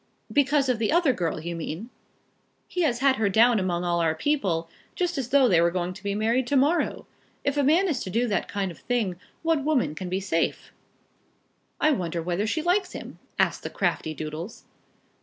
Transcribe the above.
"Because of the other girl, you mean?" "He has had her down among all our people, just as though they were going to be married to morrow. If a man is to do that kind of thing, what woman can be safe?" "I wonder whether she likes him?" asked the crafty Doodles.